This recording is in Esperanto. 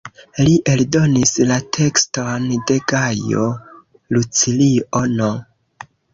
Li eldonis la tekston de Gajo Lucilio-n.